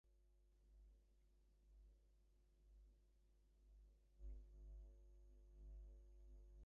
সাধারণ ব্রহ্মচারিগণকে কিন্তু পূর্বে যেমন বললুম, সেইভাবে ক্রমে ক্রমে সন্ন্যাসাশ্রমে প্রবেশ করতে হবে।